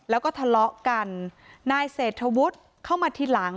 แล้วก็ทะเลาะกันนายเศรษฐวุฒิเข้ามาทีหลัง